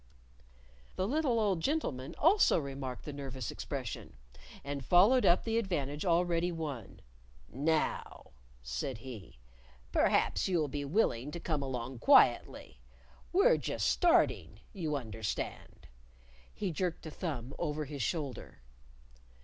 The little old gentleman also remarked the nervous expression. And followed up the advantage already won. "Now," said he, "perhaps you'll be willing to come along quietly. We're just starting, you understand." He jerked a thumb over his shoulder.